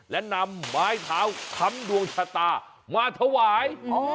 และนำไม้เท้าค้ำดวงชะตามาถวาย